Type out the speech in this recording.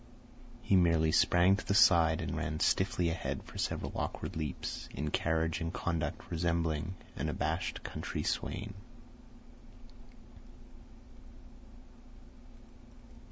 He merely sprang to the side and ran stiffly ahead for several awkward leaps, in carriage and conduct resembling an abashed country swain.